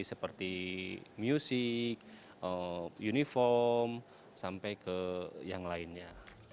seperti music uniform sampai ke yang lainnya